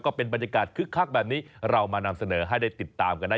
ก็เป็นบรรยากาศคึกคักแบบนี้เรามานำเสนอให้ได้ติดตามกันได้